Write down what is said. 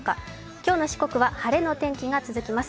今日の四国は晴れの天気が続きます。